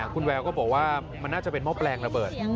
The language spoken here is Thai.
คุณแววก็บอกว่ามันน่าจะเป็นหม้อแปลงระเบิด